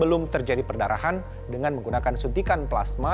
belum terjadi perdarahan dengan menggunakan suntikan plasma